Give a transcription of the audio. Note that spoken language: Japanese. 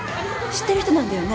知ってる人なんだよね？